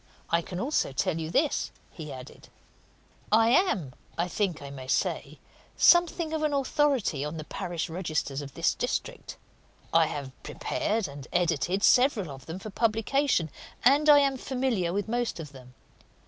I can also tell you this," he added, "I am, I think I may say, something of an authority on the parish registers of this district I have prepared and edited several of them for publication, and I am familiar with most of them.